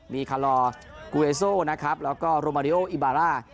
มีคาลอเกรสไลด์แล้วก็โรมาเดโลอิบาลา